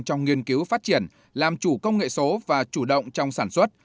trong nghiên cứu phát triển làm chủ công nghệ số và chủ động trong sản xuất